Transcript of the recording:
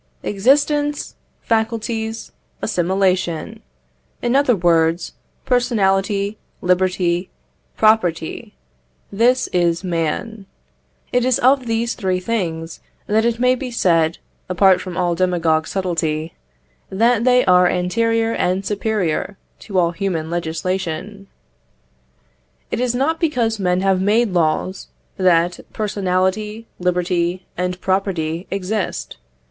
Existence, faculties, assimilation in other words, personality, liberty, property this is man. It is of these three things that it may be said, apart from all demagogue subtlety, that they are anterior and superior to all human legislation. It is not because men have made laws, that personality, liberty, and property exist.